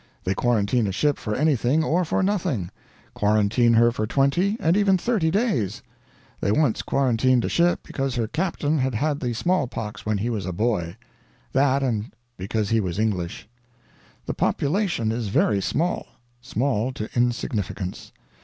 They quarantine a ship for anything or for nothing; quarantine her for 20 and even 30 days. They once quarantined a ship because her captain had had the smallpox when he was a boy. That and because he was English. "The population is very small; small to insignificance.